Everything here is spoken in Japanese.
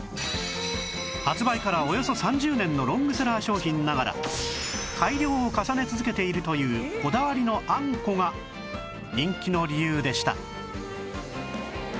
発売からおよそ３０年のロングセラー商品ながら改良を重ね続けているというこだわりのあんこが人気の理由でした